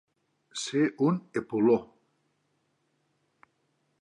Ser un epuló.